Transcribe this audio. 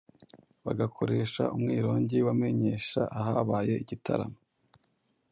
bagakoresha umwirongi wamenyesha ahabaye igitaramo,